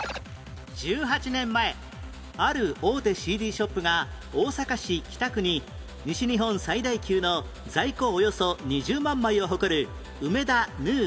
１８年前ある大手 ＣＤ ショップが大阪市北区に西日本最大級の在庫およそ２０万枚を誇る梅田 ＮＵ